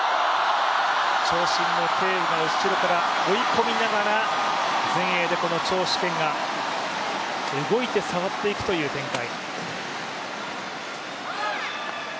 長身の鄭雨が後ろから追い込みながら前衛でこの張殊賢が動いて触っていくという展開。